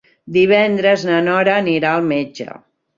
Divendres na Nora anirà al metge.